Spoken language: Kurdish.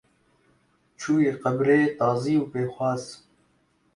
Çûyî qebrê tazî û pêxwas